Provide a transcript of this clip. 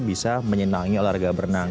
bisa menyenangi warga berenang